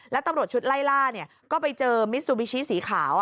แล้วตำรวจชุดไล่ล่าก็ไปเจอมิซูบิชิสีขาว